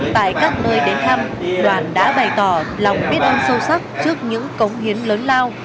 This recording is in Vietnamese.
tại các nơi đến thăm đoàn đã bày tỏ lòng biết ơn sâu sắc trước những cống hiến lớn lao